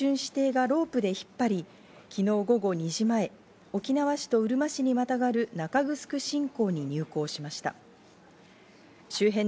そのため別の巡視艇がロープで引っ張り、昨日午後２時前、沖縄市とうるま市にまたがる中城新港に入港しました。